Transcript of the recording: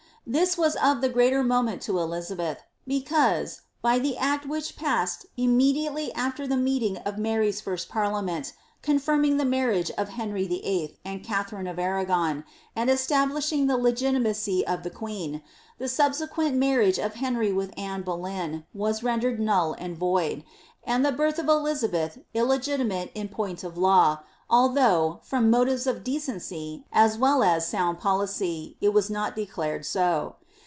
This was of the fieater monieQt to Elizabeth, because, by the act which passed imme diately aller the meeting of Mary's first parliament, confirming the mar riage of Henry Vlll. and Katharine of Arragon, and establishing the Isgitiomcy of the queen, the subsequent marriage of Henry with Anne Boleyn was rendered null and void,' and the birth of Elizabeth ille giiiaiate in point of law, although, from motives of delicacy, as well as sound policy, it was not declared so.